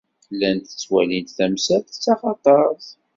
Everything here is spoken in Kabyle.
Llant ttwalint tamsalt d taxatart.